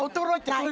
はい。